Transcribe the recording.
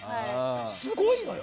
すごいのよ。